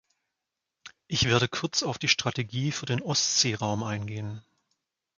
Ich werde kurz auf die Strategie für den Ostseeraum eingehen.